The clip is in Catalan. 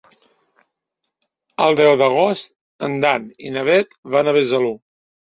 El deu d'agost en Dan i na Bet van a Besalú.